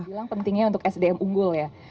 bilang pentingnya untuk sdm unggul ya